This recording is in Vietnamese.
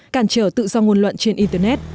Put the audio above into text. cản trở tự do ngôn luận trên internet